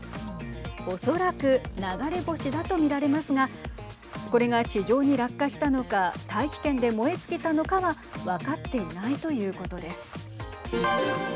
おそらく流れ星だと見られますがこれが地上に落下したのか大気圏で燃え尽きたのかは分かっていないということです。